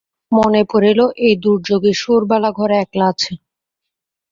মনে পড়িল, এই দুর্যোগে সুরবালা ঘরে একলা আছে।